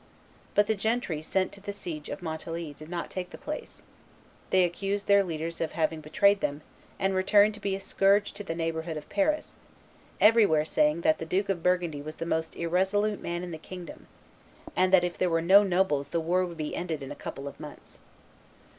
But the gentry sent to the siege of Montlhery did not take the place; they accused their leaders of having betrayed them, and returned to be a scourge to the neighborhood of Paris, everywhere saying that the Duke of Burgundy was the most irresolute man in the kingdom, and that if there were no nobles the war would be ended in a couple of months.